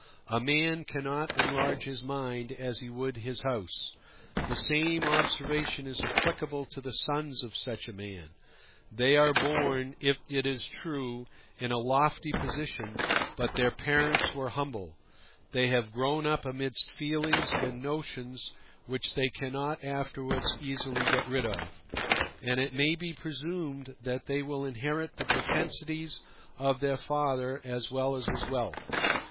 A man cannot enlarge his mind as he would his house. The same observation is applicable to the sons of such a man; they are born, it is true, in a lofty position, but their parents were humble; they have grown up amidst feelings and notions which they cannot afterwards easily get rid of; and it may be presumed that they will inherit the propensities of their father as well as his wealth.